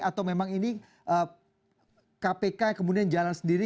atau memang ini kpk kemudian jalan sendiri